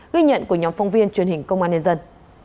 ghi nhận của nhóm phóng viên truyền hình công an nhân dân